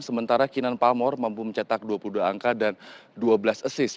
sementara kinan palmor mampu mencetak dua puluh dua angka dan dua belas assis